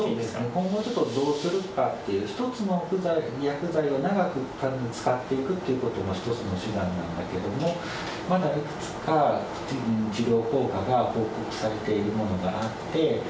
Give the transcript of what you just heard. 今後、ちょっとどうするかっていう、１つの薬剤を長く使っていくっていうことも一つの手段なんだけれども、まだいくつか治療効果が報告されているものがあって。